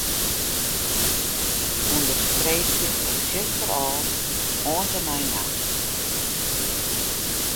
Understreekje fan 'tsjuster' ôf oant en mei 'nacht'.